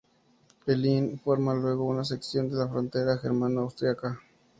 El Inn forma luego una sección de la frontera germano-austríaca.